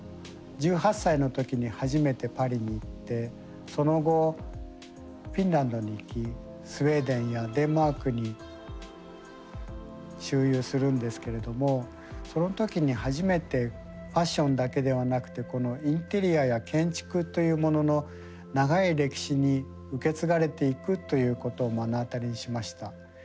１８歳の時に初めてパリに行ってその後フィンランドに行きスウェーデンやデンマークに周遊するんですけれどもその時に初めてファッションだけではなくてインテリアや建築というものの長い歴史に受け継がれていくということを目の当たりにしました。